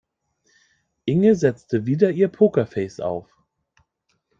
Inge setzte wieder ihr Pokerface auf.